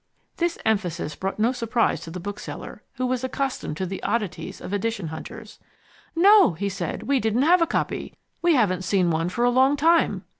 This emphasis brought no surprise to the bookseller, who was accustomed to the oddities of edition hunters. "No," he said. "We didn't have a copy. We haven't seen one for a long time."